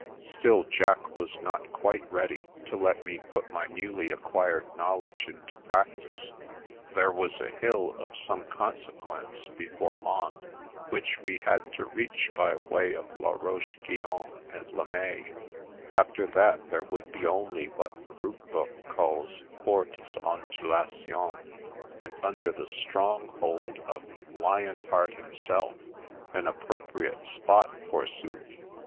Still Jack was not quite ready to let me put my newly acquired knowl edge into practice. There was a hill of some conse quence before Mantes, which we had to reach by way of La Roche Guyon and Limay. After that there would be only what the route book calls " fortes ondulations "; and under the stronghold of 36 The Princess Passes Lion Heart himself (an appropriate spot, forsooth!)